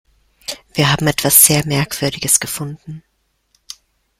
Wir haben etwas sehr Merkwürdiges gefunden.